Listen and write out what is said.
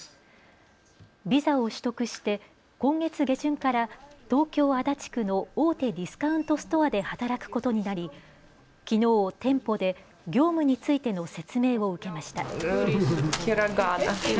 ビザを取得して今月下旬から東京足立区の大手ディスカウントストアで働くことになりきのう、店舗で業務についての説明を受けました。